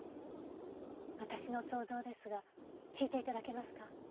私の想像ですが聞いて頂けますか？